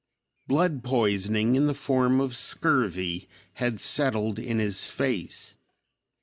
Blood poisoning, in the form of scurvy, had settled in his face.